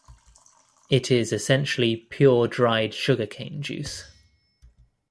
It is essentially pure dried sugar cane juice.